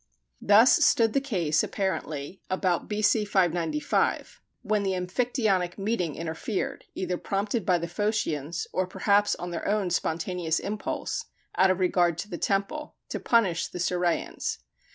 Thus stood the case, apparently, about B.C. 595, when the Amphictyonic meeting interfered either prompted by the Phocians, or perhaps on their own spontaneous impulse, out of regard to the temple to punish the Cirrhæans.